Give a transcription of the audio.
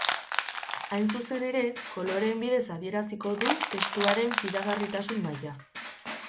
Hain zuzen ere, koloreen bidez adieraziko du testuaren fidagarritasun maila.